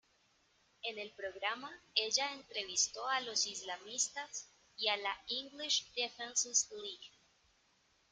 En el programa, ella entrevistó a los islamistas y a la English Defence League.